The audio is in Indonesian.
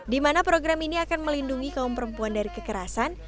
di mana program ini akan melindungi kaum perempuan dari kekerasan